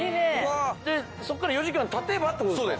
そこから４時間経てばって事ですか？